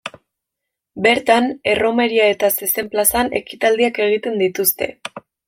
Bertan, erromeria eta zezen plazan ekitaldiak egiten dituzte.